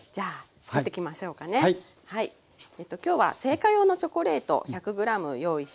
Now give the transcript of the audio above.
今日は製菓用のチョコレート１００ｇ用意しました。